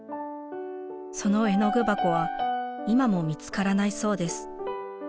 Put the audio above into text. その絵の具箱は今も見つからないそうです。